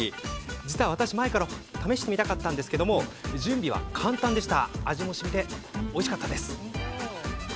実は私前から試してみたかったんですが準備は簡単、味もしみておいしかったです。